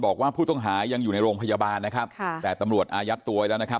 บอกว่าผู้ต้องหายอยู่ในโรงพยาบาลแต่ตำรวจอายัดตัวแล้ว